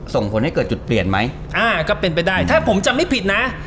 ส่งผลให้เกิดจุดเปลี่ยนไหมอ่าก็เป็นไปได้ถ้าผมจำไม่ผิดนะ